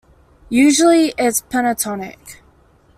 Usually it's pentatonic.